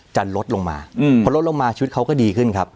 ลดลงมาพอลดลงมาชีวิตเขาก็ดีขึ้นครับ